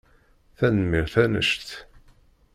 Tanemmirt annect!